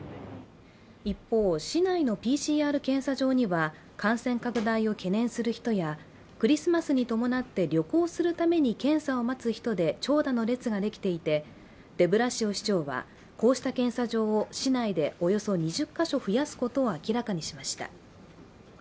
一方、市内のＰＣＲ検査場には感染拡大を懸念する人やクリスマスに伴って旅行するために検査する人の長蛇の列ができていて、デブラシオ市長はこうした検査場を市内でおよそ２０カ所増やすことを明らかにしました。